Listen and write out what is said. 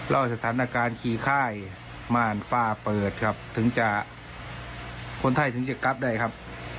แล้วสถานการณ์ขี่ค่ายม่านฟ้าเปิดครับถึงจะคนไทยถึงจะกลับได้ครับ